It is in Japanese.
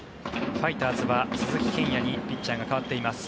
ファイターズは鈴木健矢にピッチャーが代わっています。